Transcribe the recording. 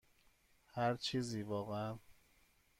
هر چیزی، واقعا.